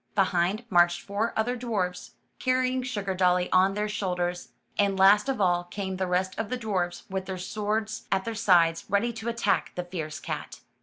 Behind, marched four other dwarfs, car rying Sugardolly on their shoulders, and last of all came the rest of the dwarfs with their swords at their sides, ready to attack the fierce cat.